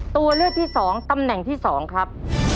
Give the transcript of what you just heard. ตัวเลือกที่๒ตำแหน่งที่๒ครับ